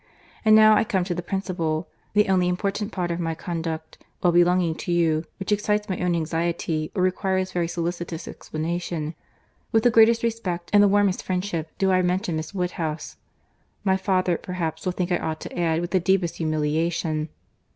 And now I come to the principal, the only important part of my conduct while belonging to you, which excites my own anxiety, or requires very solicitous explanation. With the greatest respect, and the warmest friendship, do I mention Miss Woodhouse; my father perhaps will think I ought to add, with the deepest humiliation.